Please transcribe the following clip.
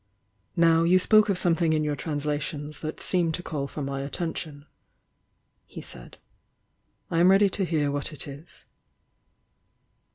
"Now you spoke of something in your translations that seemed to call for my attention," he said. "I am ready to hear what it is."